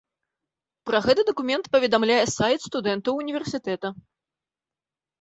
Пра гэты дакумент паведамляе сайт студэнтаў універсітэта.